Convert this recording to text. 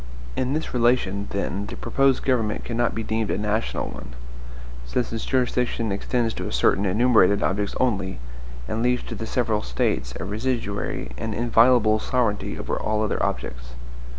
In this relation, then, the proposed government cannot be deemed a NATIONAL one; since its jurisdiction extends to certain enumerated objects only, and leaves to the several States a residuary and inviolable sovereignty over all other objects.